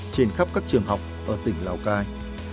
trên khắp các trường học ở tỉnh lào cai